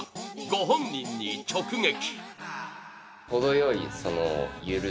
ご本人に直撃！